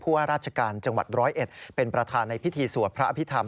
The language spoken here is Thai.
ว่าราชการจังหวัดร้อยเอ็ดเป็นประธานในพิธีสวดพระอภิษฐรร